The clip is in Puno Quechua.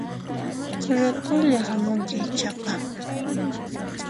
Ratullayá hamunki ichaqa